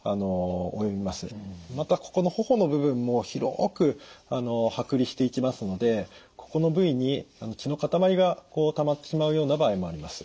またここの頬の部分も広く剥離していきますのでここの部位に血の塊がたまってしまうような場合もあります。